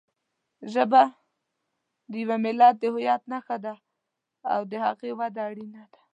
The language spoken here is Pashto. ژبه د یوه ملت د هویت نښه ده او د هغې وده اړینه ده.